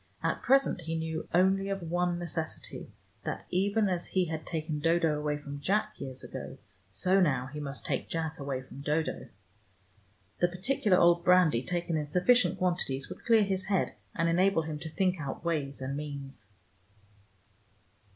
At present he knew only of one necessity, that, even as he had taken Dodo away from Jack years ago, so now he must take Jack away from Dodo. The particular old brandy, taken in sufficient quantities, would clear his head, and enable him to think out ways and means.